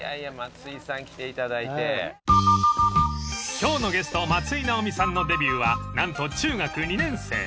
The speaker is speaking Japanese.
［今日のゲスト松居直美さんのデビューは何と中学２年生］